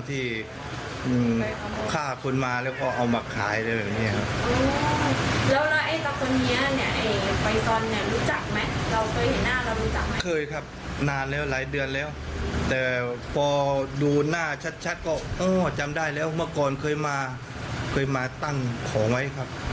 แต่พอดูหน้าชัดก็จำได้แล้วเมื่อก่อนเคยมาเคยมาตั้งของไว้ครับ